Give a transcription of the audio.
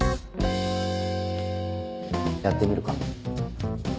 やってみるか。